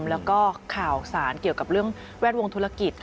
แล้วก็ข่าวสารเกี่ยวกับเรื่องแวดวงธุรกิจ